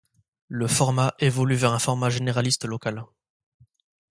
Le format évolue vers un format généraliste local.